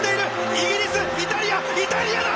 イギリスイタリアイタリアだ！